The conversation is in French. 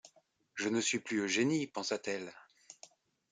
Je ne suis plus Eugénie, pensa-t-elle.